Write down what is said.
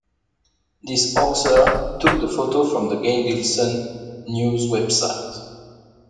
This hoaxer took the photo from the "Gainesville Sun" news website.